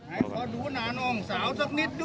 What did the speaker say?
ขอดูหนานองสาวสักนิดดู